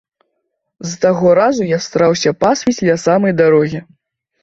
З таго разу я стараўся пасвіць ля самай дарогі.